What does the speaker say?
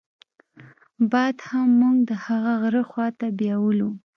باد هم موږ د هغه غره خواته بېولو.